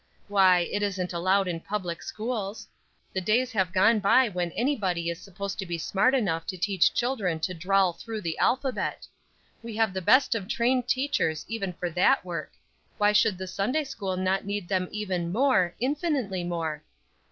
Why, it isn't allowed in public schools. The days have gone by when anybody is supposed to be smart enough to teach children to drawl through the alphabet. We have the best of trained teachers even for that work, why should the Sunday school not need them even more, infinitely more?